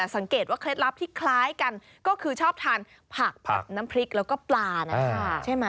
สังเกตว่าเคล็ดลับที่คล้ายกันก็คือชอบทานผักน้ำพริกแล้วก็ปลานะคะใช่ไหม